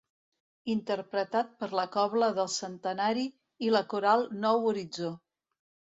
Interpretat per la Cobla del Centenari i la Coral Nou Horitzó.